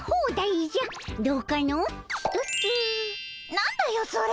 何だよそれ。